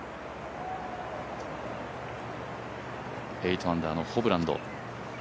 ８アンダーのホブランド。